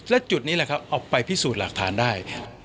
และจุดนี้แหละครับเอาไปพิสูจน์หลักฐานได้